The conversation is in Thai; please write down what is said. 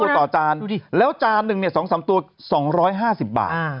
๒๓ตัวต่อจานแล้วจานหนึ่ง๒๓ตัว๒๕๐บาท